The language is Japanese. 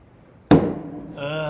ああ。